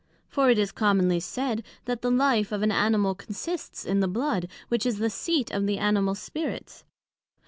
for it is commonly said, That the life of an Animal consists in the blood, which is the seat of the Animal spirits.